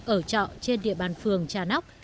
ở trọ trên địa bàn phường trà nóc